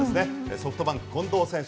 ソフトバンク近藤選手